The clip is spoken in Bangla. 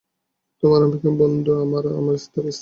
তোমার আমেরিকান বন্ধু আর তার স্ত্রী।